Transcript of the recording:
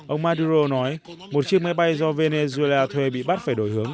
ông maduro nói một chiếc máy bay do venezuela thuê bị bắt phải đổi hướng